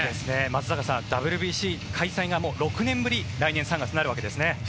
松坂さんＷＢＣ開催が６年ぶり来年３月になるわけですね。